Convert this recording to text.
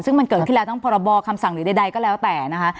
ซึ่งมันเกิดขึ้นแล้วทั้งพรบคำสั่งหรือใดก็แล้วแต่นะคะ